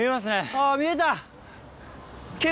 あぁ見えた！